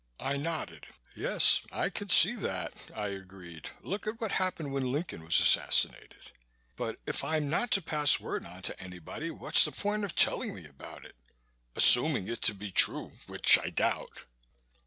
'" I nodded. "Yes, I can see that," I agreed. "Look at what happened when Lincoln was assassinated. But if I'm not to pass word on to anybody, what's the point of telling me about it assuming it to be true, which I doubt?"